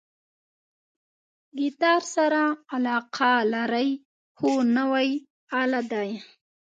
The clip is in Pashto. ګیتار سره علاقه لرئ؟ هو، نوی آله ده